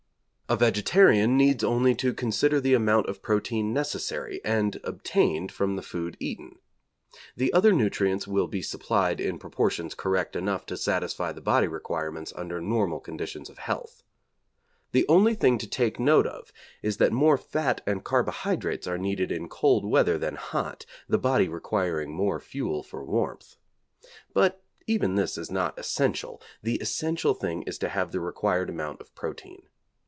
A vegetarian needs only to consider the amount of protein necessary, and obtained from the food eaten. The other nutrients will be supplied in proportions correct enough to satisfy the body requirements under normal conditions of health. The only thing to take note of is that more fat and carbohydrates are needed in cold weather than hot, the body requiring more fuel for warmth. But even this is not essential: the essential thing is to have the required amount of protein.